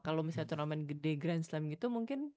kalo misalnya turnamen gede grand slam gitu mungkin